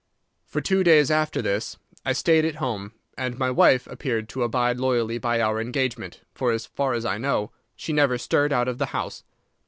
"For two days after this I stayed at home, and my wife appeared to abide loyally by our engagement, for, as far as I know, she never stirred out of the house.